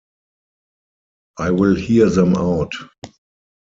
I will hear them out.